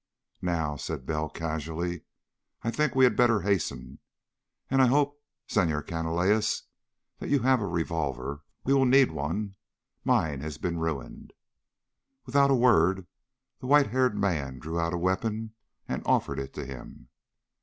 "Now," said Bell casually, "I think we had better hasten. And I hope, Senhor Canalejas, that you have a revolver. We will need one. Mine has been ruined." Without a word, the white haired man drew out a weapon and offered it to him.